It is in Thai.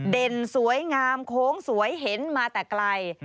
เด่นสวยงามโค้งสวยเห็นมาแต่ไกล